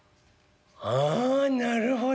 「ああなるほど。